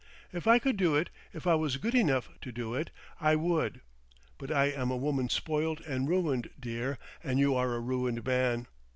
If I could do it, if I was good enough to do it, I would. But I am a woman spoilt and ruined, dear, and you are a ruined man.